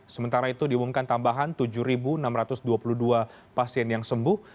sementara itu diumumkan tambahan tujuh enam ratus dua puluh dua pasien yang sembuh